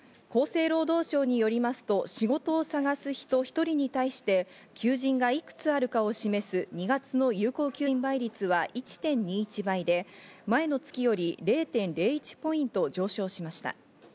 厚生労働省によりますと仕事を探す人１人に対して求人がいくつあるかを示す、２月の有効求人倍率は１．２１倍で、前の月より０．０１ポイント上昇しました。